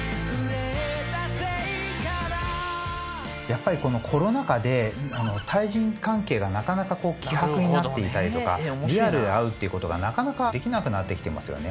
やっぱりこのコロナ禍で対人関係がなかなかこう希薄になっていたりとかリアルで会うっていう事がなかなかできなくなってきてますよね。